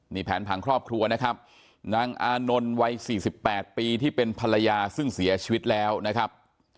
นี่แผนผังครอบครัวนะครับนางอานนท์วัย๔๘ปีที่เป็นภรรยาซึ่งเสียชีวิตแล้วนะครับ